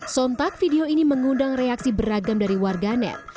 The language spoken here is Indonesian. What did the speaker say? sontak video ini mengundang reaksi beragam dari warga net